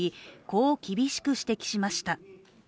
こう厳しく指摘しました。